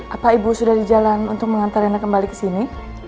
apa ibu sudah di jalan untuk mengantar rena kembali kesini